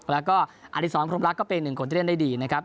แล้วก็อดิษรพรมรักก็เป็นหนึ่งคนที่เล่นได้ดีนะครับ